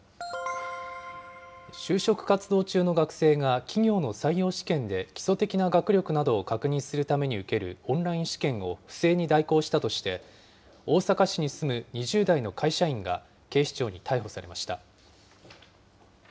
就職活動中の学生が、企業の採用試験で基礎的な学力などを確認するために受けるオンライン試験を不正に代行したとして、大阪市に住む２０代の会社員が、警視庁に逮捕されました。